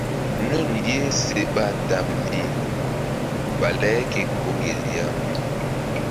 Nun ye se ɓa damndi̧ bale ke ko gel ya.